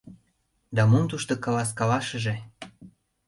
Да мом тушто каласкалашыже...